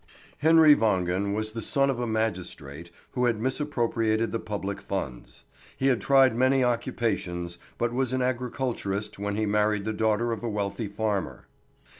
Henry Wangen was the son of a magistrate who had misappropriated the public funds. He had tried many occupations, but was an agriculturist when he married the daughter of a wealthy fanner.